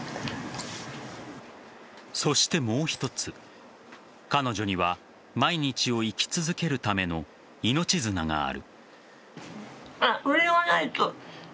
そして、もう一つ彼女には毎日を生き続けるための命綱がある。